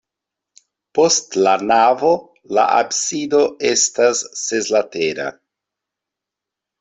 Post la navo la absido estas seslatera.